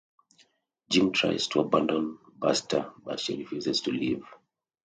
Jim tries to abandon Buster but she refuses to leave.